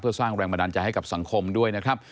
เพื่อสร้างแรงบันดาลใจให้กับสังคมด้วยนะครับ